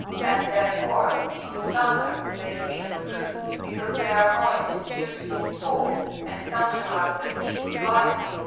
And therefore in the summer they feed on fruits, because they are moist and juicy and cool, and counteract the heat and dryness.